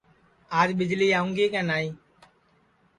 آج ٻجݪی آؤںگی کے نائی